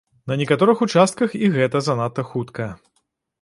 На некаторых участках і гэта занадта хутка.